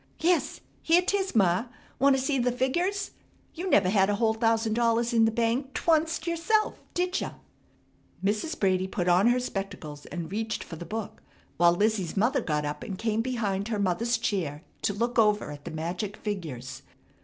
"Yes, here 'tis ma! Wanta see the figgers? You never had a whole thousand dollars in the bank t'woncet yerself, did ya?" Mrs. Brady put on her spectacles and reached for the book, while Lizzie's mother got up and came behind her mother's chair to look over at the magic figures.